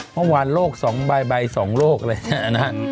เมื่อวานโรค๒ใบ๒โรคอะไรแน่นะ